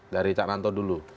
dari caranto dulu